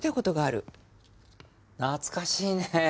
懐かしいねえ。